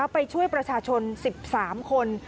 ไปช่วยประชาชน๑๓คน